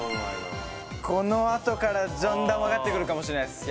このあとからだんだん分かってくるかもしれないです